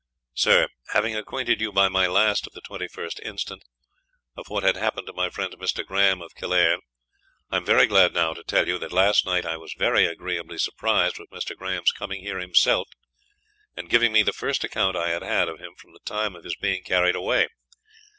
"Sir, Having acquainted you by my last, of the 21st instant, of what had happened to my friend, Mr. Grahame of Killearn, I'm very glad now to tell you, that last night I was very agreeably surprised with Mr. Grahame's coming here himself, and giving me the first account I had had of him from the time of his being carried away.